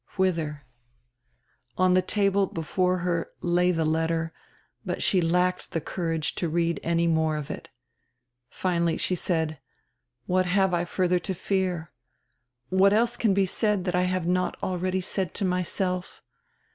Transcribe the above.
"Whither?" On die table before her lay die letter, but she lacked die courage to read any more of it. Finally she said: "What have I further to fear? What else can be said that I have not already said to myself?